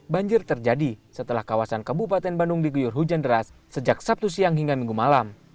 banjir terjadi setelah kawasan kabupaten bandung diguyur hujan deras sejak sabtu siang hingga minggu malam